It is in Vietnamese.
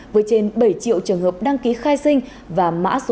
với trên bảy triệu trường hợp đăng ký khai sinh và mã số